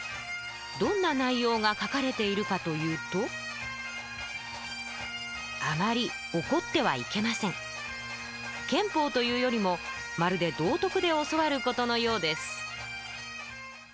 どんな内容が書かれているかというと憲法というよりもまるで道徳で教わることのようです